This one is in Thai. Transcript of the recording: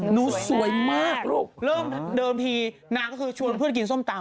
หนูสวยมากเริ่มเดินทีนะคือชวนเพื่อนกินส้มตำ